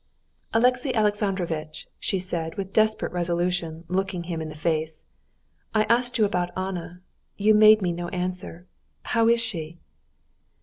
"Alexey Alexandrovitch," she said, with desperate resolution looking him in the face, "I asked you about Anna, you made me no answer. How is she?"